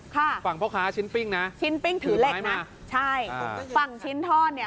ฝั่งพ่อค้าชิ้นปิ้งนะชิ้นปิ้งถือเหล็กนะใช่ฝั่งชิ้นทอดเนี่ย